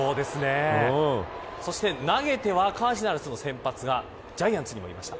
そして、投げてはカージナルスの先発がジャイアンツにもいました